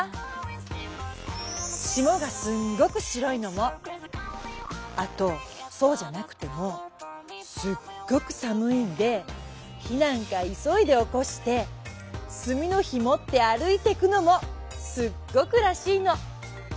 霜がすんごく白いのもあとそうじゃなくてもすっごく寒いんで火なんか急いでおこして炭の火持って歩いてくのもすっごくらしいの。